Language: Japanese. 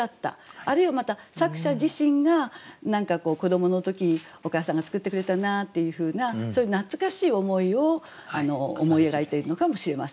あるいはまた作者自身が何か子どもの時お母さんが作ってくれたなっていうふうなそういう懐かしい思いを思い描いているのかもしれません。